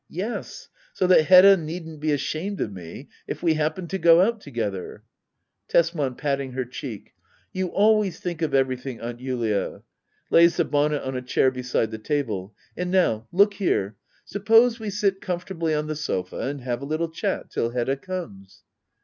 Yes, so that Hedda needn't be ashamed of me if we happened to go out together. Tesman. [Patting her cheek,] You alwajrs think of every thing. Aunt Julia. [Lays the bonnet on a chair beside the table,'] And now, look here — suppose we sit comfortably on the sofa and have a little chat, till Hedda comes.